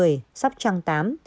tại các tỉnh thành phố khác